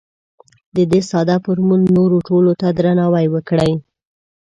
د دې ساده فورمول نورو ټولو ته درناوی وکړئ.